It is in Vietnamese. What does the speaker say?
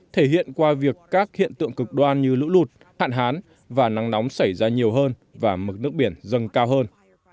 thể hiện qua việc các hiện tượng cực đoan như lũ lụt hạn hán và nắng nóng xảy ra nhiều hơn và mực nước biển dâng cao hơn